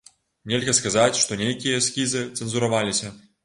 Нельга сказаць, што нейкія эскізы цэнзураваліся.